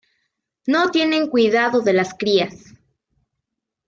No tienen cuidado de las crías.